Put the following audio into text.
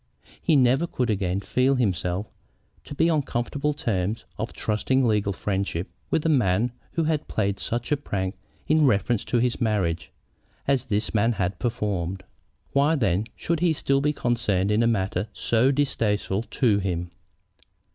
He never could again feel himself to be on comfortable terms of trusting legal friendship with a man who had played such a prank in reference to his marriage as this man had performed. Why, then, should he still be concerned in a matter so distasteful to him?